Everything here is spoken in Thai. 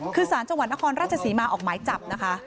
คือสารจังหวัดนครราชศรีมาออกหมายจับนะคะ